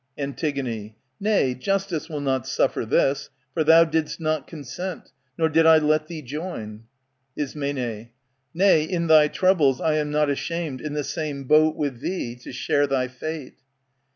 Antig, Nay, justice will not suffer this, for thou Did*st not consent, nor did I let thee join. Ism. Nay, in thy troubles, I am not ashamed In the same boat with thee to share thy fate.